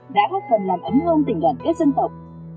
đã góp phần làm ấm ngương tình đoàn kết dân tộc